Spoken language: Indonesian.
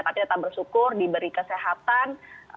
tapi tetap bersyukur diberi kesehatan